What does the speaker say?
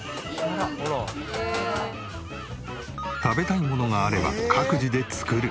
食べたいものがあれば各自で作る。